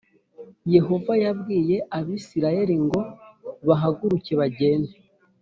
Yehova yabwiye Abisirayeli ngo bahaguruke bagende